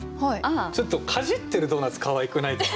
ちょっとかじってるドーナツかわいくないですか？